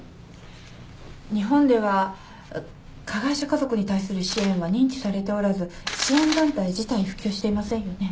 日本では加害者家族に対する支援は認知されておらず支援団体自体普及していませんよね？